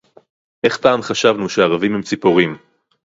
איך פעם חשבנו שערבים הם ציפורים